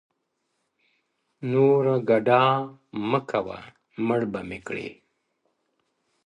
نوره گډا مه كوه مړ به مي كړې ـ